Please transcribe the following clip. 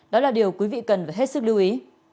đó là điều quý vị cần phải hết sức lưu ý